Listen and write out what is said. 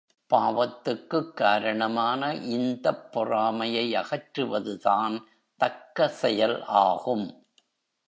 பாவத்துக்குக் காரணமான இந்தப் பொறாமையை அகற்றுவதுதான் தக்க செயல் ஆகும்.